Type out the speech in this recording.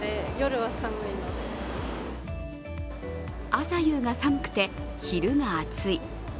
朝夕が寒くて昼が暑い。